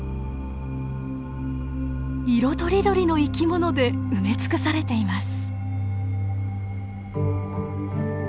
色とりどりの生き物で埋め尽くされています。